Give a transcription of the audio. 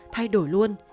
thay đổi luôn